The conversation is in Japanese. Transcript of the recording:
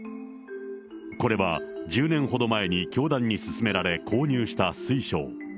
これは１０年ほど前に教団に勧められ、購入した水晶。